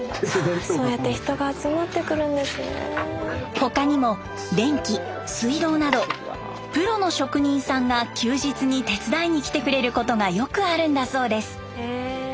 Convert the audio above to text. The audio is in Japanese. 他にも電気水道などプロの職人さんが休日に手伝いに来てくれることがよくあるんだそうです。